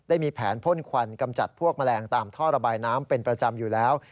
มีแผนพ่นควันกำจัดพวกแมลงตามท่อระบายน้ำเป็นประจำอยู่แล้ว